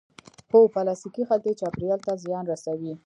هو، پلاستیکی خلطی چاپیریال ته زیان رسوی